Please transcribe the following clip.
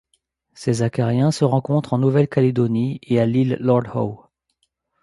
Ces acariens se rencontrent en Nouvelle-Calédonie et à l'île Lord Howe.